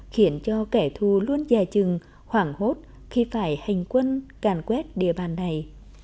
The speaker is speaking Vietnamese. khiến cho kẻ thù luôn dài chừng hoảng hốt khi phải hành quân càn quét địa bàn này